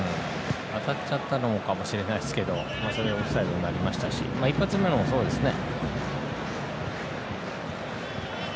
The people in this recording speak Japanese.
当たっちゃったのかもしれないですけどオフサイドになりましたし一発目もそうですね。